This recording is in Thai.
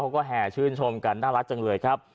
แห่ชื่นชมกันน่ารักจังเลยครับ